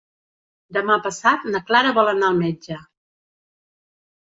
Demà passat na Clara vol anar al metge.